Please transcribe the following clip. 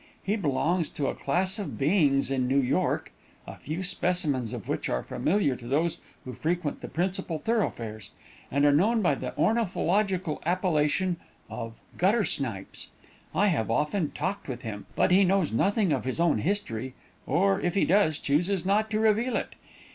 He belongs to a class of beings in New York, a few specimens of which are familiar to those who frequent the principal thoroughfares, and are known by the ornithological appellation of "gutter snipes." I have often talked with him, but he knows nothing of his own history; or, if he does, chooses not to reveal it.